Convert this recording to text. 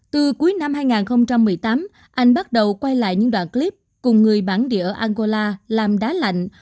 từ cuối năm hai nghìn một mươi tám anh bắt đầu quay lại những đoạn clip cùng người bán đĩa ở angola làm đá lạnh